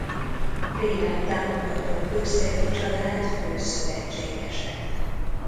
Bélát támogató Kőszegi család fő szövetségese.